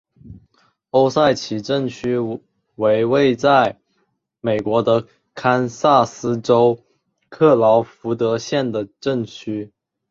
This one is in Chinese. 欧塞奇镇区为位在美国堪萨斯州克劳福德县的镇区。